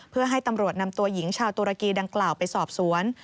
เพื่อให้ตำรวจนำตัวหญิงชาวตุรกีดังกล่าวไปสอบสวน